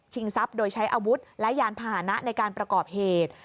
ทรัพย์โดยใช้อาวุธและยานพาหนะในการประกอบเหตุ